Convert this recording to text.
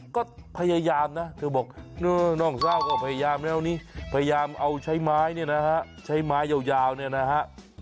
ก็พยายามนะเธอบอกน้องเศร้าก็พยายามแล้วนี่พยายามเอาใช้ไม้เนี่ยนะฮะใช้ไม้ยาวเนี่ยนะฮะ